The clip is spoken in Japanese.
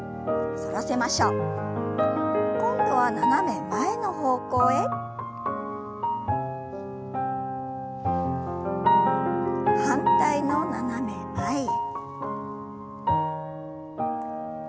反対の斜め前へ。